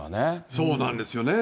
そうなんですよね。